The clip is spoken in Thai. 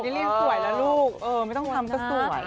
เลี่ยงสวยแล้วลูกไม่ต้องทำก็สวย